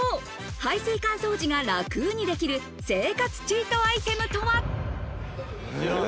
排水管掃除が楽にできる生活チートアイテムとは？